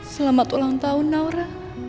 selamat ulang tahun naura